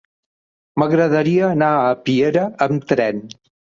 M'agradaria anar a Piera amb tren.